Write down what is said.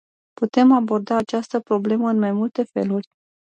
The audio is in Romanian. Putem aborda această problemă în mai multe feluri.